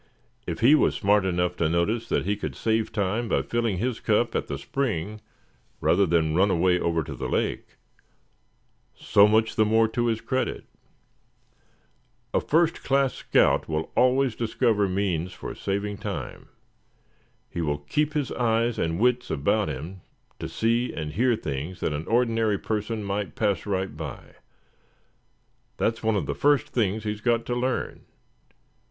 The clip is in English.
If he was smart enough to notice that he could save time by filling his cup at the spring rather than run away over to the lake, so much the more to his credit. A first class scout will always discover means for saving time. He will keep his eyes and wits about him to see and hear things that an ordinary person might pass right by. That's one of the first things he's got to learn.